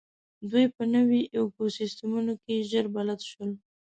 دوی په نوو ایکوسېسټمونو کې ژر بلد شول.